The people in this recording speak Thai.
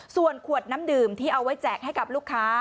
ส่วนขวดน้ำดื่มที่เอาไว้แจกให้กับลูกค้า